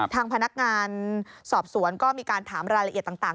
ทางพนักงานสอบสวนก็มีการถามรายละเอียดต่าง